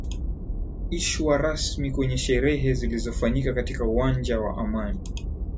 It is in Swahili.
ishwa rasmi kwenye sherehe zilizofanyika katika uwaja wa amani